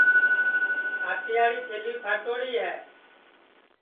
آٹیاڑی تھیلی پھٹوڑی ہے